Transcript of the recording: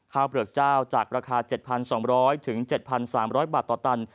เปลือกเจ้าจากราคา๗๒๐๐๗๓๐๐บาทต่อตัน